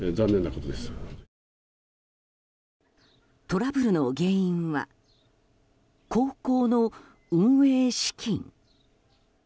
トラブルの原因は高校の運営資金。